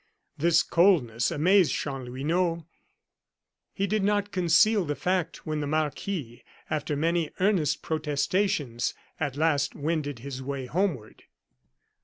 This coldness amazed Chanlouineai; he did not conceal the fact when the marquis, after many earnest protestations, at last wended his way homeward.